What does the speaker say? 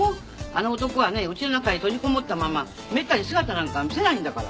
あの男はねウチの中へ閉じこもったままめったに姿なんか見せないんだから。